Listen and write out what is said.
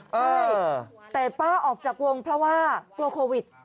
ใช่แต่ป้าออกจากวงเพราะว่ากลัวโควิด